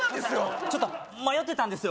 ちょっと迷ってたんですよ